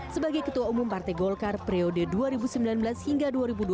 sebagai ketua umum partai golkar periode dua ribu sembilan belas hingga dua ribu dua puluh empat